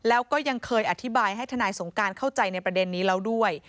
แล้วก็ยังเคยอธิบายให้ทนายสงการเข้าใจในประเด็นนี้แล้วด้วย